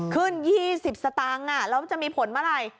ขึ้น๒๐สตางค์แล้วจะมีผลเมื่อไหร่